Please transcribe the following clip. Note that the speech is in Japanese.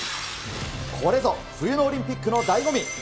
これぞ、冬のオリンピックのだいご味。